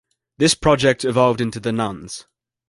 This project evolved into The Nuns.